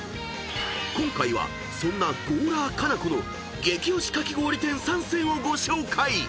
［今回はそんなゴーラー佳菜子の激推しかき氷店３選をご紹介］